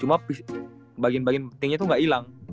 cuma bagian bagian pentingnya tuh gak ilang